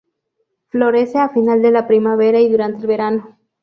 Florece a final de la primavera y durante el verano.